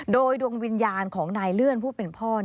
โดยดวงวิญญาณของนายเลื่อนผู้เป็นพ่อ